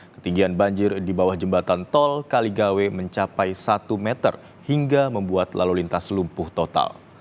ketinggian banjir di bawah jembatan tol kaligawe mencapai satu meter hingga membuat lalu lintas lumpuh total